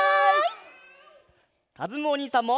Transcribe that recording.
かずむおにいさんも！